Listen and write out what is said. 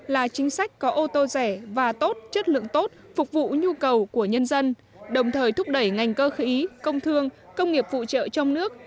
là chính sách có ô tô rẻ và tốt chất lượng tốt phục vụ nhu cầu của nhân dân đồng thời thúc đẩy ngành cơ khí công thương công nghiệp phụ trợ trong nước